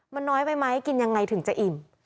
มันน้อยไปไหมกินยังไงถึงจะอิ่ม